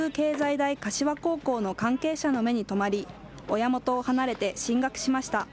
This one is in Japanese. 大柏高校の関係者の目に留まり、親元を離れて進学しました。